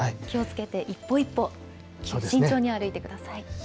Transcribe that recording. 気をつけて、一歩一歩慎重に歩いてください。